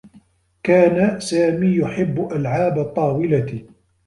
كان سامي يحبّ ألعاب الطّاولة.